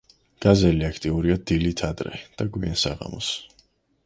გაზელი აქტიურია დილით ადრე და გვიან საღამოს.